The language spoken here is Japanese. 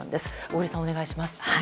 小栗さん、お願いします。